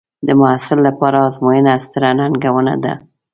د محصل لپاره ازموینه ستره ننګونه ده.